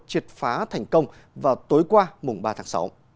triệt phá thành công vào tối qua mùng ba tháng sáu